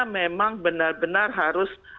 memang benar benar harus